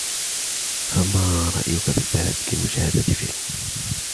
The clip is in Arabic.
ما رأيك بالذهاب لمشاهدة فلم ؟